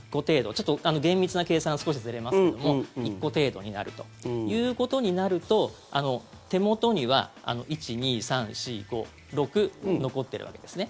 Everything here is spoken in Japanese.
ちょっと厳密な計算は少しずれますけども１個程度になるということになると手元には１、２、３、４、５６残ってるわけですね。